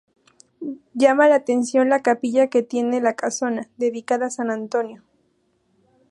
Llama la atención la capilla que tiene la casona, dedicada a San Antonio.